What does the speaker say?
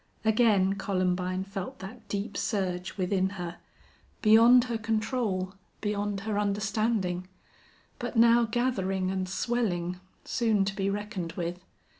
Again Columbine felt that deep surge within her, beyond her control, beyond her understanding, but now gathering and swelling, soon to be reckoned with.